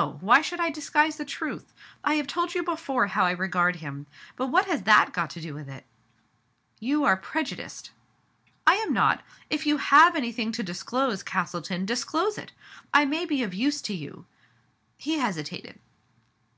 Why should I disguise the truth? I have'told you before how I regard him. But what has that got to do with it ?" "You are prejudiced." " I am not. If you have anything to disclose, Castleton, disclose it ! I may be of use to you " He hesitated.